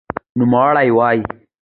نوموړې وايي